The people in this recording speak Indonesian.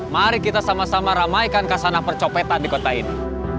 mari kita sama sama ramaikan kesana percopetan di kota ini